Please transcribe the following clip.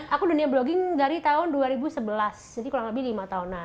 aku dunia vlogging dari tahun dua ribu sebelas jadi kurang lebih lima tahun lah